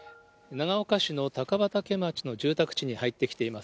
長岡市の高畠町の住宅地に入ってきています。